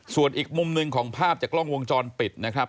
ส่วนอีกมุมหนึ่งของภาพจากกล้องวงจรปิดนะครับ